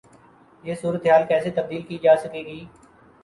یہ صورتحال کیسے تبدیل کی جا سکے گی؟